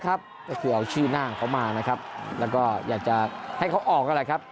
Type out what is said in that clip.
ก็คือเอาชื่อหน้าของเขามานะครับแล้วก็อยากจะให้เขาออกนั่นแหละครับ